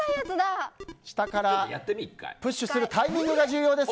下からプッシュするタイミングが重要です。